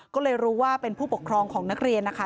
ก็เลยรู้ว่าเป็นผู้ปกครองของนักเรียนนะคะ